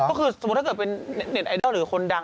ก็คือสมมุติถ้าเกิดเป็นเน็ตไอดอลหรือคนดัง